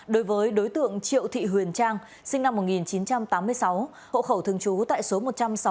đối với đối tượng triệu thị huyền trang sinh năm một nghìn chín trăm tám mươi sáu hộ khẩu thường trú tại số một trăm sáu mươi tám